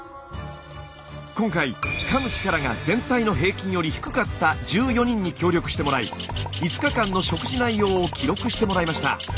今回かむ力が全体の平均より低かった１４人に協力してもらい５日間の食事内容を記録してもらいました。